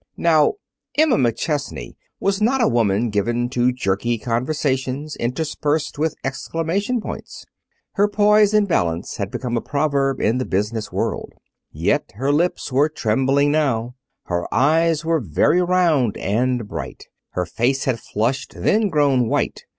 Now, Emma McChesney was not a woman given to jerky conversations, interspersed with exclamation points. Her poise and balance had become a proverb in the business world. Yet her lips were trembling now. Her eyes were very round and bright. Her face had flushed, then grown white.